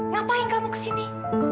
ngapain kamu kesini